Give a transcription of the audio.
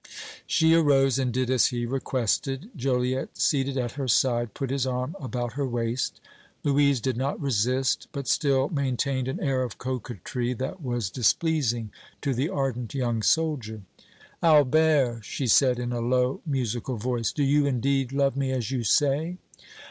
She arose and did as he requested; Joliette, seated at her side, put his arm about her waist. Louise did not resist, but still maintained an air of coquetry that was displeasing to the ardent young soldier. "Albert," she said, in a low, musical voice, "do you, indeed, love me as you say?"